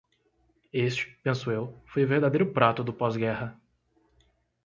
Este, penso eu, foi o verdadeiro prato do pós-guerra.